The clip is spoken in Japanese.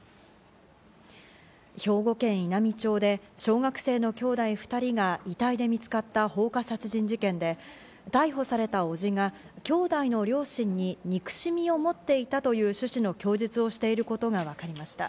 兵庫県稲美町で小学生の兄弟２人が遺体で見つかった放火殺人事件で、逮捕された伯父が兄弟の両親に憎しみを持っていたという趣旨の供述をしていることが分かりました。